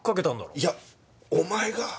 いやお前が。